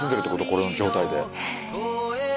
この状態で。